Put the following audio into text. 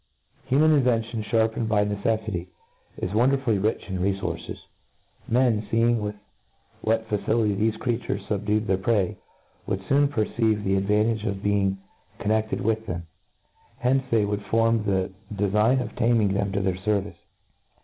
Human invention, Iharpened by neccffity, is wonderfully rich in refources. Men, feeing with what facility thefe creatures fubducd their prey. Would foon pfcrceive the advantage of being con neded with them. Hence they would form the defign of taming them to their fervice.